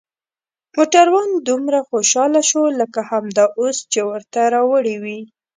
موټروان دومره خوشحاله شو لکه همدا اوس چې ورته راوړي وي.